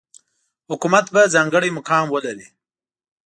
حکومت به ځانګړی مقام ولري.